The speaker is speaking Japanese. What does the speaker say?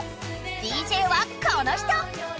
ＤＪはこの人！